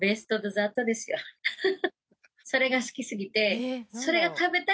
それが好きすぎて。